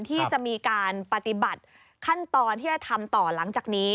ที่จะมีการปฏิบัติขั้นตอนที่จะทำต่อหลังจากนี้